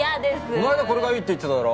お前がこれがいいって言っただろ。